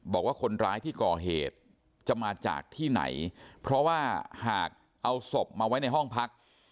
บอกว่าคนร้ายที่ก่อเหตุจะมาจากที่ไหนเพราะว่าหากเอาศพมาไว้ในห้องพัก